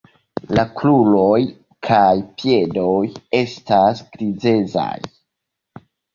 La kruroj kaj piedoj estas grizecaj.